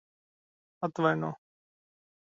Atvaino.